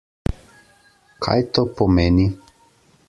Kaj to pomeni?